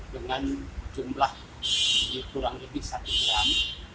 dengan jumlah kurang lebih satu gram